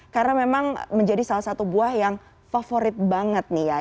karena memang menjadi salah satu buah yang favorit banget nih ya